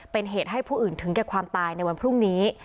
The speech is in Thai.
เป็นเหตุให้ผู้อื่นถึงแก่ความตายในวันพรุ่งนี้